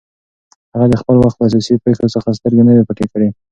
هغه د خپل وخت له سیاسي پېښو څخه سترګې نه وې پټې کړې